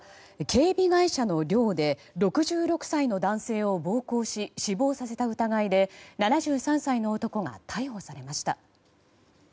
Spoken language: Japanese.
警備会社の寮で６６歳の男性を暴行し死亡させた疑いで７３歳の男が逮捕されました。